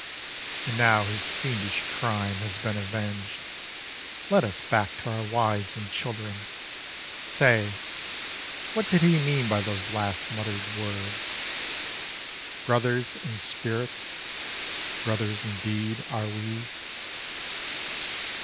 And now his fiendish crime has been avenged; Let us back to our wives and children. Say, What did he mean by those last muttered words, "Brothers in spirit, brothers in deed are we"?